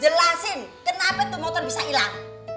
jelasin kenapa tuh motor bisa ilang